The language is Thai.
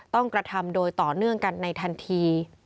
กระทำโดยต่อเนื่องกันในทันที